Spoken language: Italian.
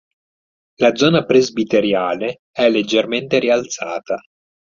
La zona presbiteriale è leggermente rialzata.